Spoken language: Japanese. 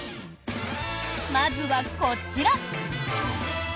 まずはこちら。